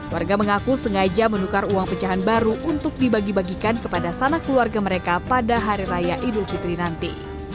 warga mengaku sengaja menukar uang pecahan baru untuk dibagi bagikan kepada sanak keluarga mereka pada hari raya idul fitri nanti